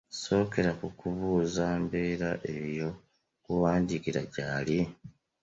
Sookera ku kubuuza mbeera oyo gw’owandiikira gy’alimu.